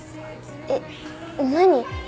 えっ何？